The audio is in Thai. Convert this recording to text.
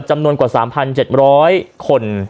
จำนวนกว่า๓๗๐๐คน